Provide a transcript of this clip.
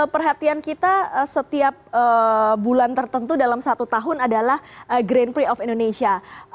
perhatian kita setiap bulan tertentu dalam satu tahun adalah grand prix of indonesia